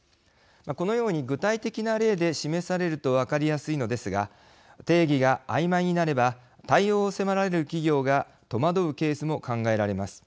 このように具体的な例で示されると分かりやすいのですが定義があいまいになれば対応を迫られる企業が戸惑うケースも考えられます。